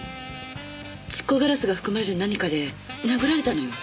蓄光ガラスが含まれる何かで殴られたのよ。